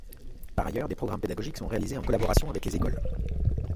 Par ailleurs, des programmes pédagogiques sont réalisés en collaboration avec les écoles.